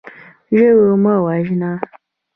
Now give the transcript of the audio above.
ژوی مه وژنه.